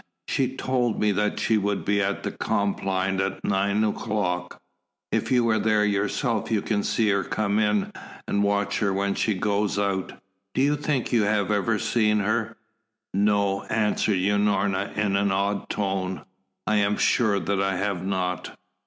"She told me that she would be at Compline at nine o'clock. If you will be there yourself you can see her come in, and watch her when she goes out. Do you think you have ever seen her?" "No," answered Unorna in an odd tone. "I am sure that I have not."